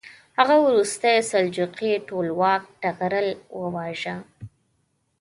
هغه وروستی سلجوقي ټولواک طغرل وواژه.